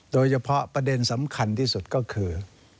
โดยเฉพาะประเด็นสำคัญที่สุดก็คือ